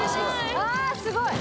うわぁすごい！